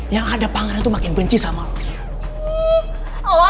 yang ada pangeran tuh makin benci sama lo